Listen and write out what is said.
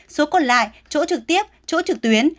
số còn lại chỗ trực tiếp chỗ trực tuyến